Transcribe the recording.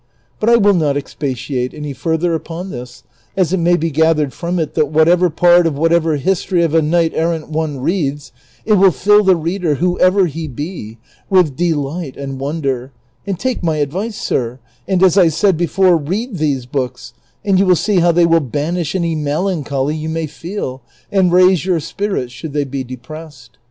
But I Avill not expatiate any further u})on this, as it may be gathered from it that whatever part of whatever history of a knight errant one reads, it Avill fill the reader, whoever he be, with delight and wonder ; and take my advice, sir, and, as I said before, read these books and you will see how they will banish any jnelancholy you may feel and raise yoiir spirits should they be depressed.